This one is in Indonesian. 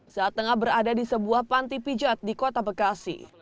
saat tengah berada di sebuah panti pijat di kota bekasi